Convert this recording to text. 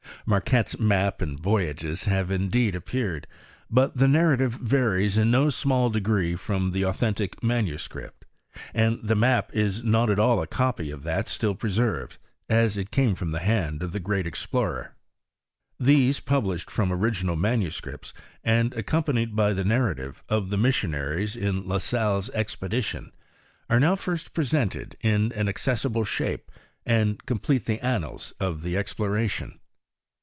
Marquette's map and voyage have indeed appeared, but the narrative varies in no small degree from the authentic manuscript, and the map is not at all a copy of that still pre served, as it came from the hand of the great explorer. These published from original manuscripts, and accompanied by the narratives of the missionaries in La Salle's expedition, are now first presented in an accessible shape, and complete the annals of the exploration.